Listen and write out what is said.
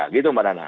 gitu mbak nana